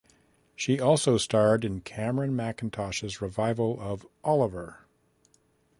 She also starred in Cameron Mackintosh's revival of Oliver!